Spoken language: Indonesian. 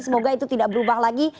semoga itu tidak berubah lagi